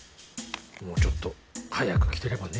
もうちょっと早く来てればね。